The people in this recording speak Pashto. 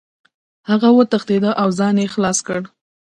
هغه وتښتېد او ځان یې خلاص کړ.